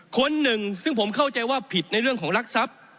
คนหนึ่งซึ่งผมเข้าใจว่าผิดในเรื่องของรักทรัพย์